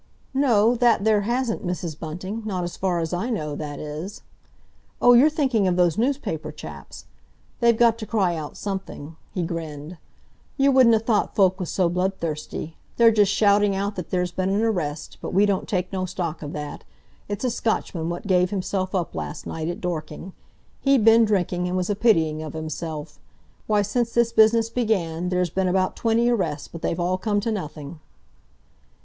"No, that there hasn't, Mrs. Bunting—not as far as I know, that is. Oh, you're thinking of those newspaper chaps? They've got to cry out something," he grinned. "You wouldn't 'a thought folk was so bloodthirsty. They're just shouting out that there's been an arrest; but we don't take no stock of that. It's a Scotchman what gave himself up last night at Dorking. He'd been drinking, and was a pitying of himself. Why, since this business began, there's been about twenty arrests, but they've all come to nothing."